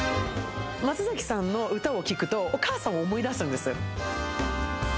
松崎さんの歌を聴くとお母さんを思い出すんです。